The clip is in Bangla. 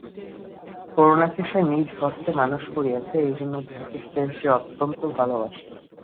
করুণাকে সে নিজহস্তে মানুষ করিয়াছে, এই জন্য তাহাকে সে অত্যন্ত ভালোবাসে।